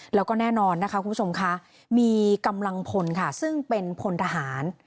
แล้วก็แน่นอนนะคะคุณผู้ชมค่ะมีกำลังพลค่ะซึ่งเป็นพลทหาร